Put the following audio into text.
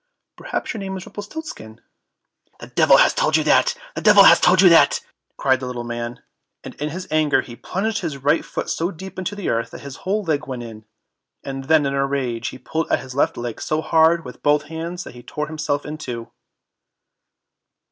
"Perhaps your name is Rumpelstiltskin?" "The devil has told you that! the devil has told you that!" cried the little man, and in his anger he plunged his right foot so deep into the earth that his whole leg went in; and then in rage he pulled at his left leg so hard with both hands that he tore himself in two.